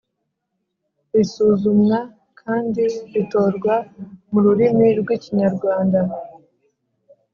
risuzumwa kandi ritorwa mu rurimi rw ikinyarwanda